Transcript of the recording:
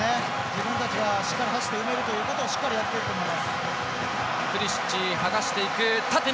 自分たちが走って埋めるということをしっかりやっていると思います。